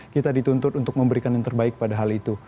kita dituntut untuk memberikan yang terbaik pada hal itu